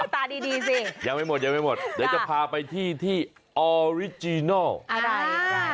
ตาดีสิยังไม่หมดเดี๋ยวจะพาไปที่ที่ออริจินอล